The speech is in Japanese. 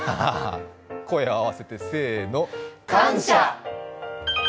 声を合わせてせーの。感謝！